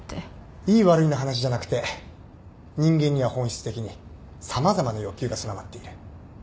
いい悪いの話じゃなくて人間には本質的に様々な欲求が備わっている。